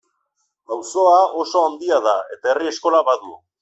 Auzoa oso handia da eta herri eskola badu.